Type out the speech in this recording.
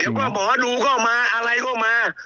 เต็มถ้าบ่อดูก็มาอะไรก็มา